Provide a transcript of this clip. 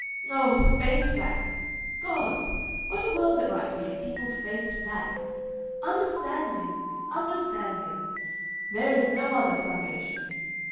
Oh, to face facts! Gods! what a world it might be if people faced facts! Understanding! Understanding! There is no other salvation.